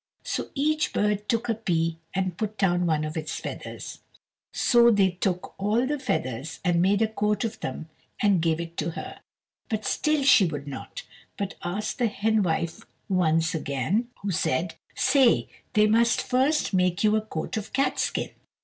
So each bird took a pea and put down one of its feathers: and they took all the feathers and made a coat of them and gave it to her; but still she would not, but asked the henwife once again, who said, "Say they must first make you a coat of catskin."